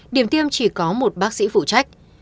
điểm tiêm chỉ có một bác sĩ phụ trách